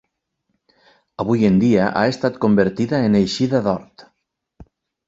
Avui en dia ha estat convertida en eixida d'hort.